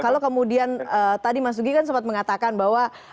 kalau kemudian tadi mas nugi kan sempat mengatakan bahwa